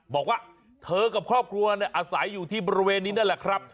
บอกว่าเธอกับครอบครัวอาศัยอยู่ที่บริเวณนี้นั่นแหละครับ